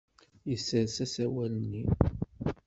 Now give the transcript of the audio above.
Yessers asawal-nni.